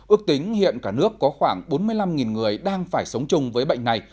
ước tính hiện cả nước có khoảng bốn mươi năm người đang phải sống chung với bệnh này